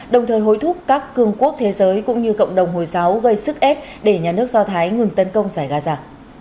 đồng thời hối thúc các cương quốc thế giới cũng như cộng đồng hồi giáo gây sức ép để nhà nước do thái ngừng tấn công giải gaza